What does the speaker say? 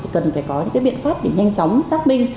cần phải có những biện pháp để nhanh chóng xác minh